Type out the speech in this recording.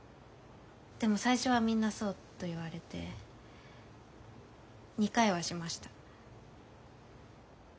でも「最初はみんなそう」と言われて２回はしました。